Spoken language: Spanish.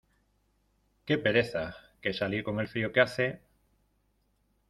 Qué pereza, que salir con el frío que hace.